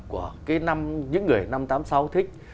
của những người năm tám mươi sáu thích